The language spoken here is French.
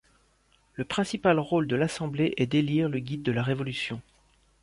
Le principal rôle de l'assemblée est d'élire le Guide de la Révolution.